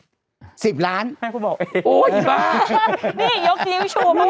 นี่ยกจี๊วิชัวร์เพราะว่าต้องเกิดต่อ